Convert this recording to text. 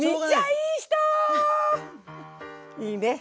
いいね。